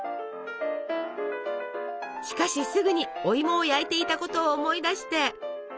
しかしすぐにおいもを焼いていたことを思い出して。